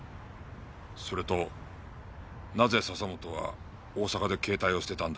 それとなぜ笹本は大阪で携帯を捨てたんだ？